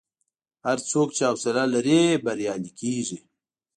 هر څوک چې حوصله لري، بریالی کېږي.